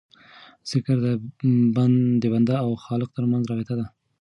ذکر د بنده او خالق ترمنځ رابطه ده.